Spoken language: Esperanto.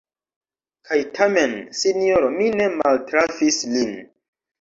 Kaj tamen, sinjoro, mi ne maltrafis lin.